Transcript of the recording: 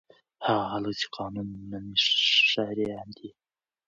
هغه خلک چې قانون مني ښه ښاریان دي.